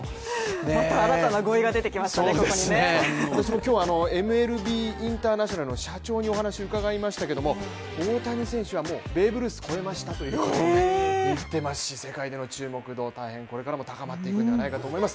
今日はＭＬＢインターナショナルの社長にお話を伺いましたけど、大谷選手はベーブ・ルース超えましたと言ってましたし世界での注目度、大変これからも高まっていくのではないかと思います。